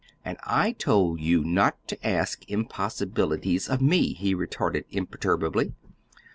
"And I told you not to ask impossibilities of me," he retorted imperturbably.